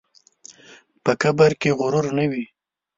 په قبر کې غرور نه وي.